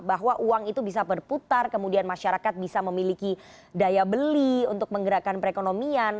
bahwa uang itu bisa berputar kemudian masyarakat bisa memiliki daya beli untuk menggerakkan perekonomian